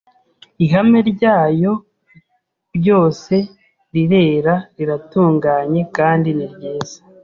Ihame ryayo ryose rirera, riratunganye kandi ni ryiza.